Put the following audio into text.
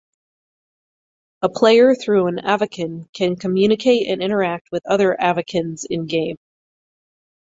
A player through an Avakin can communicate and interact with other Avakins in game.